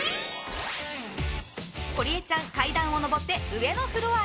ゴリエちゃん階段を上って上のフロアへ。